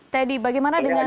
teddy bagaimana dengan